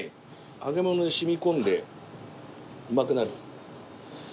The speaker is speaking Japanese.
揚げ物に染み込んでうまくなる。